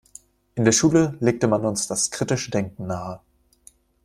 In der Schule legte man uns das kritische Denken nahe.